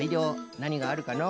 なにがあるかのう？